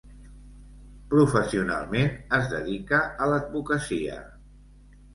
Professionalment es dedica a l'advocacia.